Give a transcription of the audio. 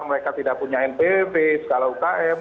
mereka tidak punya npv skala ukm